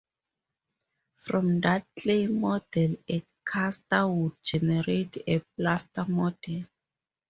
From that clay model a caster would generate a plaster model.